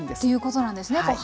ということなんですね。